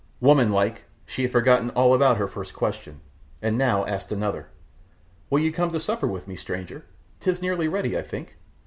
Womanlike, she had forgotten all about her first question, and now asked another, "Will you come to supper with me, stranger? 'Tis nearly ready, I think."